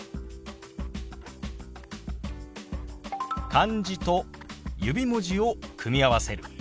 漢字と指文字を組み合わせる。